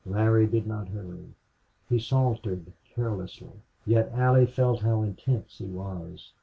Larry did not hurry. He sauntered carelessly, yet Allie felt how intense he was.